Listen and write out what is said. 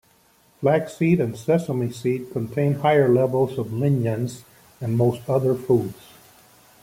Flax seed and sesame seed contain higher levels of lignans than most other foods.